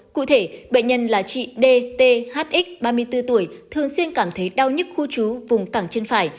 cụ thể bệnh nhân là chị dthx ba mươi bốn tuổi thường xuyên cảm thấy đau nhức khu trú vùng cảng chân phải